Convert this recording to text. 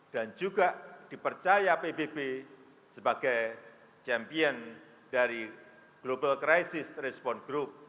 dan juga dipercaya pbb sebagai champion dari global crisis response group